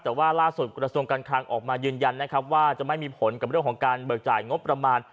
แต่ว่าล่าสุดกระทรวงการคลังออกมายืนยันนะครับว่าจะไม่มีผลกับเรื่องของการเบิกจ่ายงบประมาณ